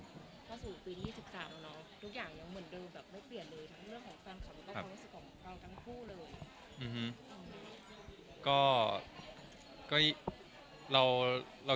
พอสู่ปีที่๒๓เนาะทุกอย่างยังเหมือนเดิม